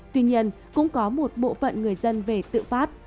tuy nhiên cũng có một bộ phận người dân về tự phát